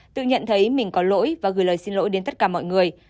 tự nhận thấy mình có lỗi và gửi lời xin lỗi đến tất cả mọi người